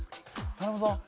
頼むぞ。